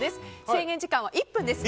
制限時間は１分です。